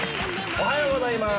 おはようございます。